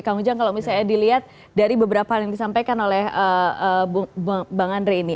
kang ujang kalau misalnya dilihat dari beberapa hal yang disampaikan oleh bang andre ini